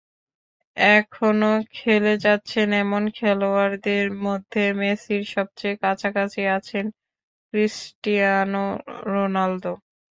এখনো খেলে যাচ্ছেন এমন খেলোয়াড়দের মধ্যে মেসির সবচেয়ে কাছাকাছি আছেন ক্রিস্টিয়ানো রোনালদো।